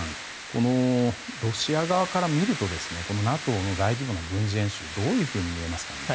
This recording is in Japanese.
このロシア側から見るとＮＡＴＯの大規模な軍事演習はどういうふうに見えますかね？